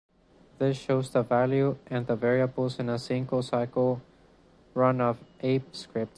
This shows the values and the variables in a single cycle run of ApeScript.